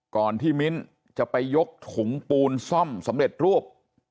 ก่อนที่มิ้นจะไปยกถุงปูนซ่อมสำเร็จรูป